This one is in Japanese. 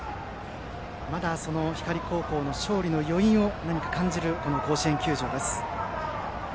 まだ光高校の勝利の余韻を感じる甲子園球場です。